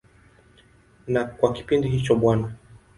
Na kwa kipindi hicho Bw.